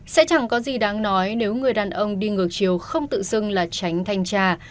sẽ chẳng có gì đáng nói nếu người đàn ông đi ngược chiều không tự dưng là tránh thanh tra